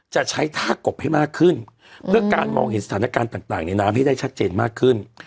จะใช้ท่ากบให้มากขึ้นเพื่อการมองเห็นสถานการณ์ต่างในน้ำให้ได้ชัดเจนมากขึ้น